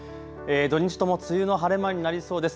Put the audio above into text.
土日とも梅雨の晴れ間になりそうです。